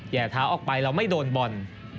แหย่เท้าออกไปแล้วไม่โดนบอล